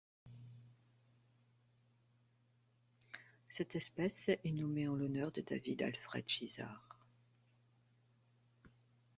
Cette espèce est nommée en l'honneur de David Alfred Chiszar.